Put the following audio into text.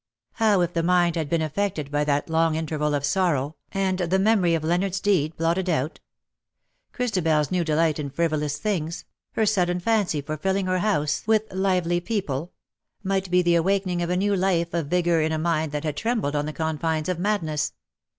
How if the mind had been affected by that long interval of sorrow, and the memory of Leonard's deed blotted out ? Christabel's new delight in frivolous things — her sudden fancy for filling her house with L .2 148 " TIME TURNS THE OLD DAYS TO DERISION/' lively people — might be the awakening of new ]ife and vigour in a mind that had trembled on the confines of madness.